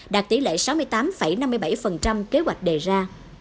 đạt tỷ lệ sáu mươi tám năm mươi bảy kế hoạch đề ra